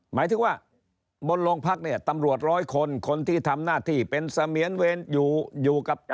หมายถึงว่าบนโรงพักเนี่ยตำรวจร้อยคนคนที่ทำหน้าที่เป็นเสมียนเวรอยู่อยู่กับ